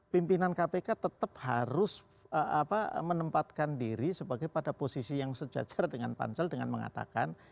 pimpinan kpk tetap harus menempatkan diri sebagai pada posisi yang sejajar dengan pansel dengan mengatakan